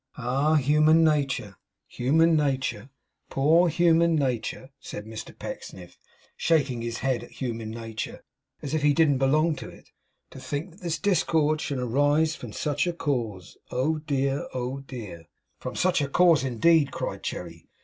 'Ah, human nature, human nature! Poor human nature!' said Mr Pecksniff, shaking his head at human nature, as if he didn't belong to it. 'To think that this discord should arise from such a cause! oh dear, oh dear!' 'From such a cause indeed!' cried Cherry.